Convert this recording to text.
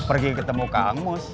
pergi ketemu kang mus